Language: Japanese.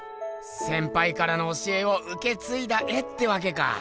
せんぱいからの教えをうけついだ絵ってわけか。